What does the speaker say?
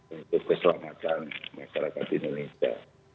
untuk keselamatan masyarakat indonesia